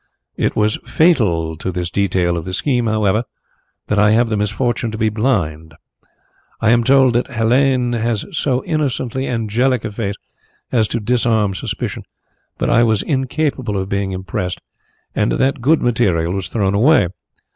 It was fatal to this detail of the scheme, however, that I have the misfortune to be blind. I am told that Helene has so innocently angelic a face as to disarm suspicion, but I was incapable of being impressed and that good material was thrown away.